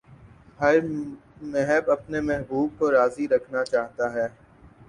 ہر محب اپنے محبوب کو راضی رکھنا چاہتا ہے